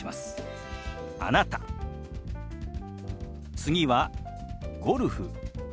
次は「ゴルフ」。